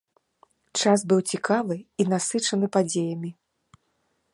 Час быў цікавы і насычаны падзеямі.